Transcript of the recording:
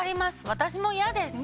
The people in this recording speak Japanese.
私も嫌です！